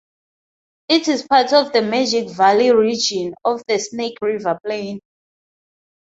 It is part of the Magic Valley region of the Snake River Plain.